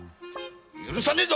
許さねえぞ